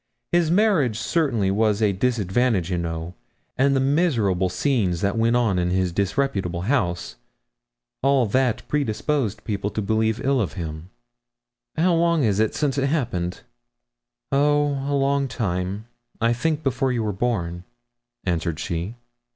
His marriage certainly was a disadvantage, you know, and the miserable scenes that went on in his disreputable house all that predisposed people to believe ill of him.' 'How long is it since it happened?' 'Oh, a long time; I think before you were born,' answered she.